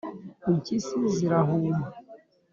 impyisi zirahuma